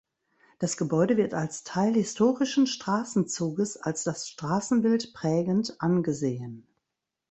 Das Gebäude wird als Teil historischen Straßenzuges als das Straßenbild prägend angesehen.